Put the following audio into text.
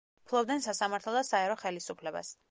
ფლობდნენ სასამართლო და საერო ხელისუფლებას.